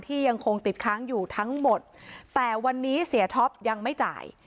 ยังคงติดค้างอยู่ทั้งหมดแต่วันนี้เสียท็อปยังไม่จ่าย